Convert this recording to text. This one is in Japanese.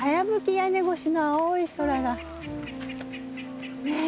屋根越しの青い空がね。